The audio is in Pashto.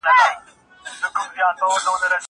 زه له سهاره د کتابتون لپاره کار کوم؟!